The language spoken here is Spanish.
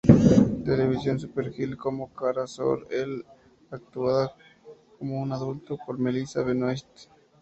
Television "Supergirl" como Kara Zor-El, actuada como un adulto por Melissa Benoist.